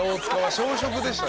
小食でした。